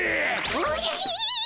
おじゃひ！